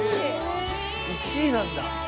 １位なんだ。